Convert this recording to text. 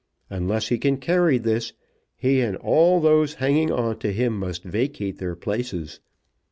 Unless he can carry this, he and all those hanging on to him must vacate their places.